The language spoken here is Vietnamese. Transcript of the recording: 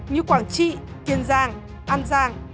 như quảng trị kiên giang an giang